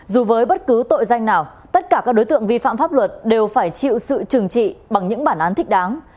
dù với bất cứ tội danh nào tất cả các đối tượng vi phạm pháp luật đều phải chịu sự trừng trị bằng những bản án thích đáng